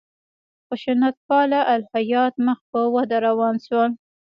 خشونت پاله الهیات مخ په وده روان شول.